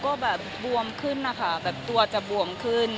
ก็แบบบวมขึ้นนะคะแบบตัวจะบวมขึ้น